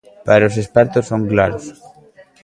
Pero os expertos son claros.